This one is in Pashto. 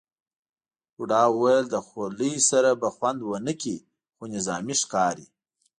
بوډا وویل له خولۍ سره به خوند ونه کړي، خو نظامي ښکاري.